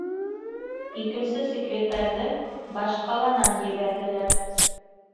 Икенсе секретарҙе баш ҡаланан ебәрҙеләр.